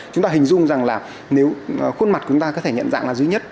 chúng ta hình dung rằng là nếu khuôn mặt chúng ta có thể nhận dạng là duy nhất